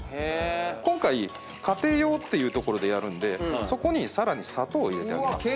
今回家庭用っていうところでやるんでそこにさらに砂糖を入れてあげます。